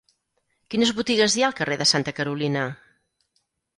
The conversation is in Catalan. Quines botigues hi ha al carrer de Santa Carolina?